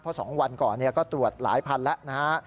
เพราะ๒วันก่อนก็ตรวจหลายพันธุ์แล้ว